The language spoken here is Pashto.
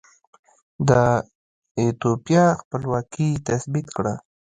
د ایتوپیا خپلواکي تثبیت کړه.